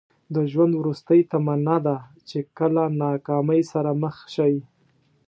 د ژوند وروستۍ تمنا ده چې کله ناکامۍ سره مخ شئ.